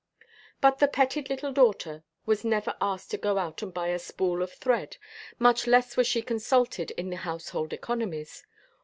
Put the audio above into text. But the petted little daughter was never asked to go out and buy a spool of thread, much less was she consulted in the household economies.